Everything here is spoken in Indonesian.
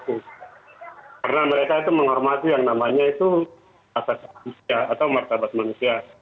karena mereka itu menghormati yang namanya itu asas manusia atau martabat manusia